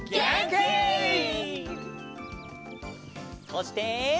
そして。